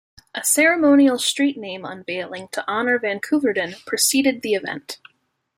A ceremonial street name unveiling to honor van Koeverden preceded the event.